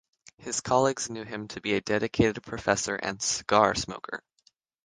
His colleagues knew him to be a dedicated professor and cigar smoker.